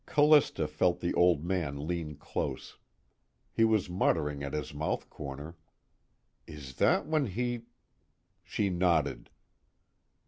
Callista felt the Old Man lean close. He was muttering at his mouth corner: "Is that when he ?" She nodded.